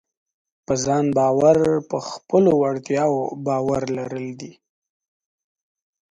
په ځان باور په خپلو وړتیاوو باور لرل دي.